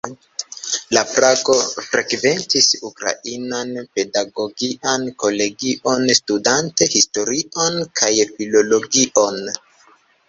En Prago frekventis Ukrainan pedagogian kolegion, studante historion kaj filologion.